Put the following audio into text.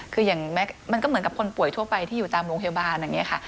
คืออย่างมันก็เหมือนกับคนป่วยทั่วไปที่อยู่ตามโรงพยาบาลอย่างนี้ค่ะ